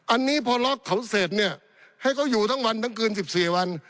อันนี้พอล็อกเขาเสร็จเนี่ยให้เขาอยู่ทั้งวันทั้งคืน๑๔วัน